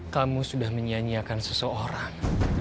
kamu sudah menyanyiakan seseorang